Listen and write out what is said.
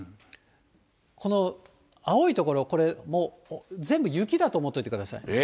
この青い所、これ、もう全部雪だと思っておいてください。